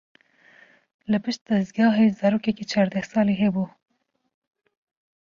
Li pişt dezgehê zarokekî çardeh salî hebû.